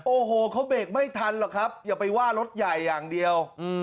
โอ้โหเขาเบรกไม่ทันหรอกครับอย่าไปว่ารถใหญ่อย่างเดียว